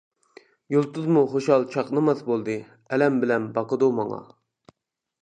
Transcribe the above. يۇلتۇزمۇ خۇشال چاقنىماس بولدى، ئەلەم بىلەن باقىدۇ ماڭا.